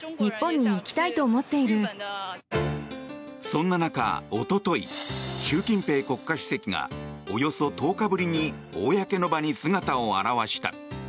そんな中、おととい習近平国家主席がおよそ１０日ぶりに公の場に姿を現した。